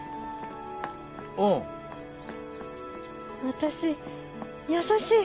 私優しい。